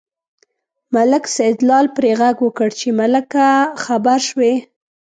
ملک سیدلال پرې غږ وکړ چې ملکه خبر شوې.